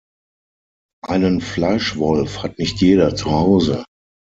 Einen Fleischwolf hat nicht jeder zuhause.